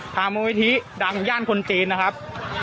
มูลนิธิดังย่านคนจีนนะครับ